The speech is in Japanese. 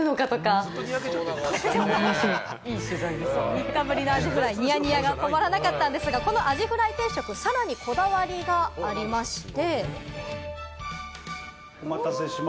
３日ぶりのアジフライ、ニヤニヤが止まらなかったんですが、このアジフライ定食、さらにこだわりがありまして。